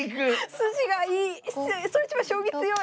筋がいい。